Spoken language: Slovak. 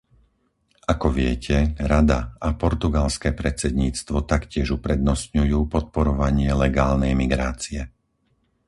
Ako viete, Rada a portugalské predsedníctvo taktiež uprednostňujú podporovanie legálnej migrácie.